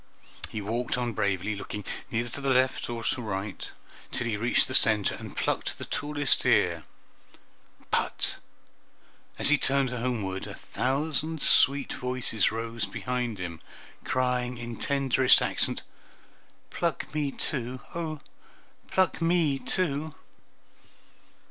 He walked on bravely, looking neither to the right nor left, till he reached the center and plucked the tallest ear, but as he turned homeward a thousand sweet voices rose behind him, crying in tenderest accents, "Pluck me too! oh, please pluck me too!"